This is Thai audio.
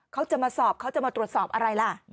เขาจะมาสอบเขาจะมาตรวจสอบอะไรล่ะ